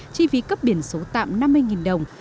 chi phí cấp biển số tạm năm mươi đồng